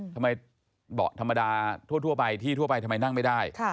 เบาะธรรมดาทั่วไปที่ทั่วไปทำไมนั่งไม่ได้